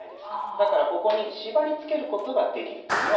だからここに縛りつけることができるというのが２点目。